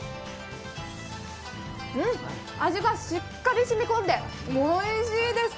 うん、味がしっかり染み込んでおいしいです。